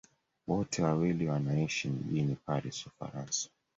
Wote wawili wanaishi mjini Paris, Ufaransa.